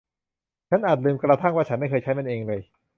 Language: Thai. ฉันอาจลืมกระทั่งว่าฉันไม่เคยใช้มันเองเลย